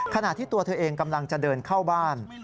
ขณะที่ตัวเธอเองกำลังจะเดินเข้าบ้าน